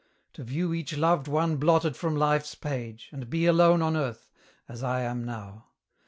To view each loved one blotted from life's page, And be alone on earth, as I am now.